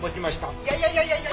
いやいやいやいや！